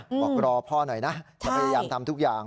บอกรอพ่อหน่อยนะจะพยายามทำทุกอย่าง